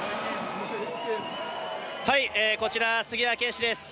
こちら杉谷拳士です。